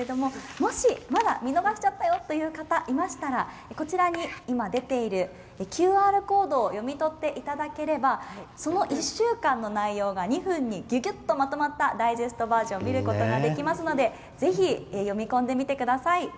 もし、見逃しちゃったよ！という方、いましたらこちらに今出ているＱＲコードを読み取っていただければその１週間の内容が２分にギュギュッとまとまったダイジェストバージョン見ることができますのでぜひ読み込んでみてください。